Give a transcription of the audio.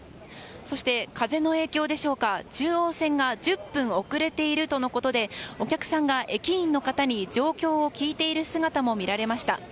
そして、風の影響でしょうか中央線が１０分遅れているとのことでお客さんが駅員の方に状況を聞いている姿も見られました。